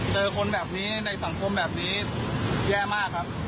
เจอคนแบบนี้ในสังคมแบบนี้แย่มากครับ